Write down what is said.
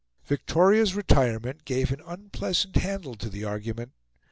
Victoria's retirement gave an unpleasant handle to the argument.